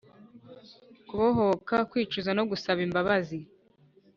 kubohoka kwicuza no gusaba imbabazi